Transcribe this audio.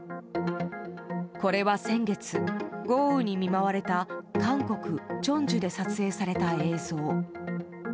これは先月、豪雨に見舞われた韓国チョンジュで撮影された映像。